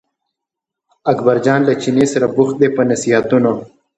اکبرجان له چیني سره بوخت دی په نصیحتونو.